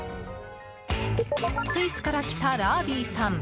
スイスから来たラーディさん。